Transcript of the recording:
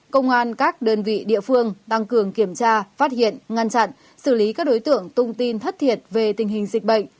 công an các đơn vị địa phương tăng cường kiểm tra phát hiện ngăn chặn xử lý các đối tượng tung tin thất thiệt về tình hình dịch bệnh